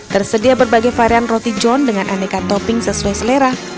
tersedia berbagai varian roti john dengan aneka topping sesuai selera